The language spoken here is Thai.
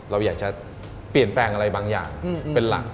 เราอยากจะเปลี่ยนแปลงอะไรบางอย่างเป็นหลัก